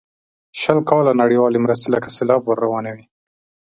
شل کاله نړیوالې مرستې لکه سیلاب ور روانې وې.